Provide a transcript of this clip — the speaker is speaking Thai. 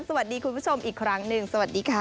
คุณผู้ชมอีกครั้งหนึ่งสวัสดีค่ะ